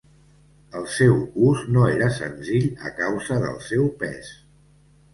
El seu ús no era senzill a causa del seu pes.